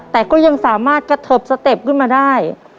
แต่ก็ยังสามารถกระเทิบสเต็ปขึ้นมาได้